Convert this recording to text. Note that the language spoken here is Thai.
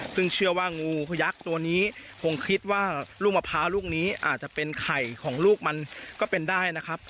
ซึ่งเชื่อว่างูพยักษ์ตัวนี้คงคิดว่าลูกมะพร้าวลูกนี้อาจจะเป็นไข่ของลูกมันก็เป็นได้นะครับ